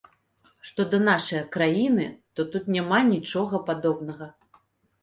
Што да нашае краіны, то тут няма нічога падобнага.